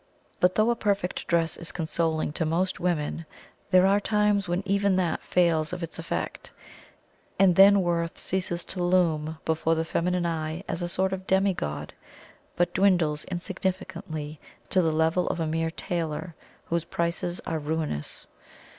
But, though a perfect dress is consoling to most women, there are times when even that fails of its effect; and then Worth ceases to loom before the feminine eye as a sort of demi god, but dwindles insignificantly to the level of a mere tailor, whose prices are ruinous.